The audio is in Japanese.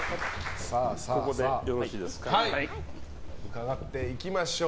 伺っていきましょう。